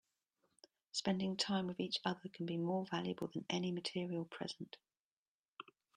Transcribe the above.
Spending time with each other can be more valuable than any material present.